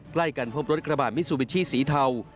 ใกล้กันพบรถกระบาดมิซูบิชิสีเทา